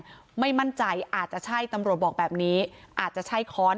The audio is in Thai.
ไม่มั่นใจอาจจะใช่ตำรวจบอกแบบนี้อาจจะใช่ค้อน